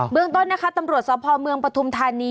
เมืองต้นนะคะตำรวจสพเมืองปฐุมธานี